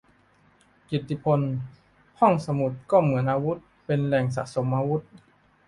กิตติพล : ห้องสมุดก็เหมือนอาวุธ เป็นแหล่งสะสมอาวุธ